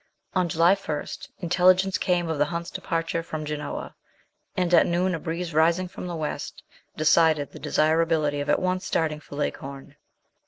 On July 1 intelligence came of the Hunts' departure from Genoa ; and at noon a breeze rising from the west decided the desirability of at once starting for Leghorn.